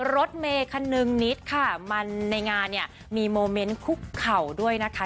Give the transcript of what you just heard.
รถเมคันนึงนิดค่ะมันในงานเนี่ยมีโมเมนต์คุกเข่าด้วยนะคะ